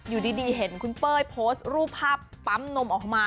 อยู่ดีเห็นคุณเป้ยโพสต์รูปภาพปั๊มนมออกมา